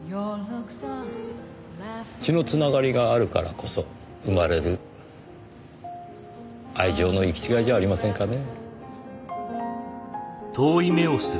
血の繋がりがあるからこそ生まれる愛情の行き違いじゃありませんかねぇ。